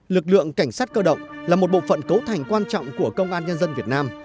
lực lượng cảnh sát cơ động là một bộ phận cấu thành quan trọng của công an nhân dân việt nam